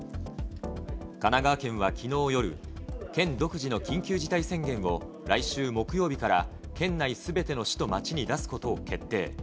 神奈川県はきのう夜、県独自の緊急事態宣言を来週木曜日から、県内すべての市と町に出すことを決定。